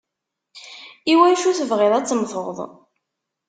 Iwacu tebɣiḍ ad temmteḍ?